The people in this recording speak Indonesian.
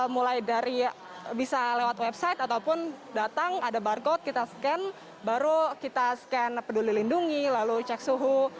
mulai dari bisa lewat website ataupun datang ada barcode kita scan baru kita scan peduli lindungi lalu cek suhu